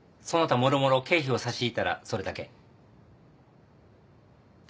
その他もろもろ経費を差し引いたらそれだけ。